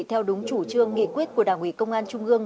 theo đúng chủ trương nghị quyết của đảng ủy công an trung ương